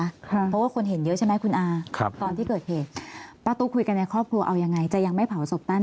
เพราะว่าคนเห็นเยอะใช่ไหมคุณอาตอนที่เกิดเหตุป้าตุ๊กคุยกันในครอบครัวเอายังไงจะยังไม่เผาศพท่าน